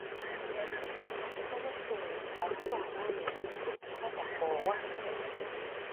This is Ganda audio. Omusomesa oyo akuba abaana emiggo oba takoowa?